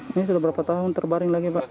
ini sudah berapa tahun terbaring lagi pak